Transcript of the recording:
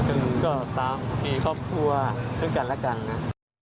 ซึ่งก็มีครอบครัวซึ่งกันและกันนะ